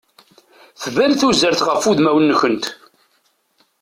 Tban tuzert ɣef udmawen-nkent.